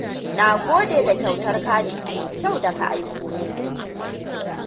Na gode da kyautar kati mai kyau da ka aiko mini.